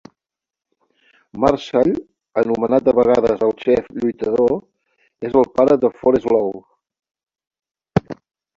Marshall, anomenat de vegades "El xef lluitador", és el pare de Forest Law.